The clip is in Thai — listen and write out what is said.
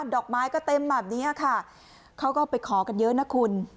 ดอกไม้ก็เต็มแบบนี้ค่ะเขาก็ไปขอกันเยอะนะคุณ